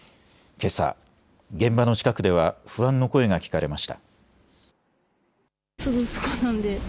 けさ、現場の近くでは不安の声が聞かれました。